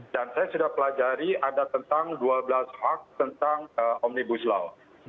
dan saya sudah pelajari ada tentang dua belas hak tentang omnibus law